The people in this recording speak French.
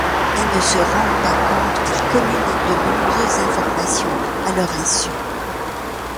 Ils ne se rendent pas compte qu'ils communiquent de nombreuses informations à leur insu.